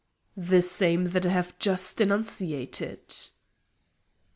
"The same that I have just enunciated."